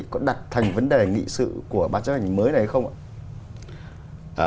có đặt thành vấn đề nghị sự của bác chấp hành mới này không ạ